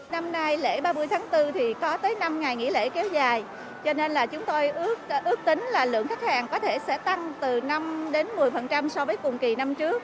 năm nay lễ ba mươi tháng bốn thì có tới năm ngày nghỉ lễ kéo dài cho nên là chúng tôi ước tính là lượng khách hàng có thể sẽ tăng từ năm đến một mươi so với cùng kỳ năm trước